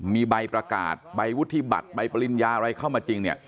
มีใบประกาศใบวุฒิบัตรใบปริญญาอะไรเข้ามาจริงเนี่ย